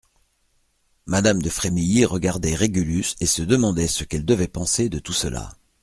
Madame de Frémilly regardait Régulus et se demandait ce qu'elle devait penser de tout cela.